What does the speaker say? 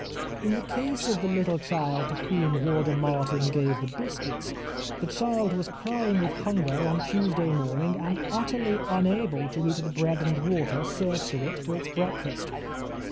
In the case of the little child to whom Warder Martin gave the biscuits, the child was crying with hunger on Tuesday morning, and utterly unable to eat the bread and water served to it for its breakfast.